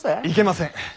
いけません。